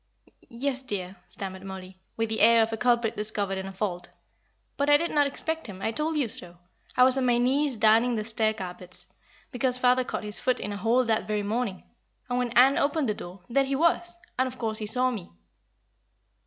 "Yes, dear," stammered Mollie, with the air of a culprit discovered in a fault; "but I did not expect him I told you so. I was on my knees darning the stair carpets, because father caught his foot in a hole that very morning; and when Ann opened the door, there he was, and, of course, he saw me."